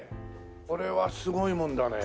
これはすごいもんだね。